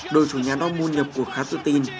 đội chủ nhà dortmund nhập cuộc khá tự tin